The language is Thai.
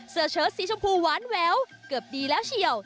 เชิดสีชมพูหวานแววเกือบดีแล้วเฉียว